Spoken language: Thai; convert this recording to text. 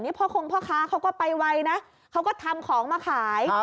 พ่อคงพ่อค้าเขาก็ไปไวนะเขาก็ทำของมาขาย